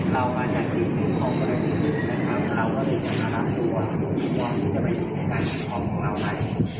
เรามาจากสิ่งหนึ่งของบริษัทนะครับเราก็จะมารับตัวหวังว่าที่จะไปอยู่ในการติดต่อของเราได้